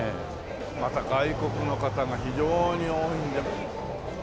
また外国の方が非常に多いね。